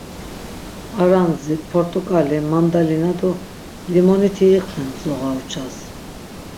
Arandzi, port̆oǩali, mandaina do limoniti iqven Mzoğauças.